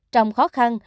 trong khó khăn